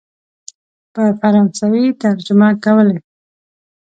په فرانسوي ترجمه کولې.